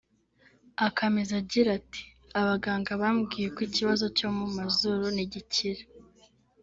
Akameza agira ati “Abaganga bambwiye ko ikibazo cyo mu mazuru nigikira